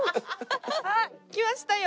あっきましたよ！